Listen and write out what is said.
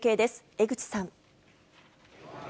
江口さん。